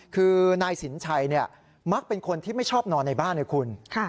คือนายสินชัยมักเป็นคนที่ไม่ชอบนอนในบ้านนะคุณ